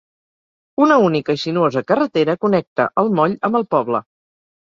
Una única i sinuosa carretera connecta el moll amb el poble.